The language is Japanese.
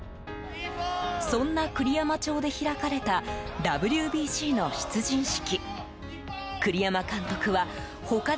そんな栗山町で開かれたＷＢＣの出陣式。